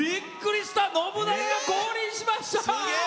信長が降臨しました！